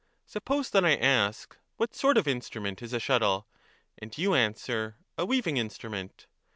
Suppose that I ask, ' What sort of instrument is a shuttle? ' And you answer, ' A weaving instrument.'